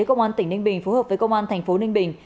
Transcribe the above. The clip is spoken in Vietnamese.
công an tp ninh bình phù hợp với công an tp ninh bình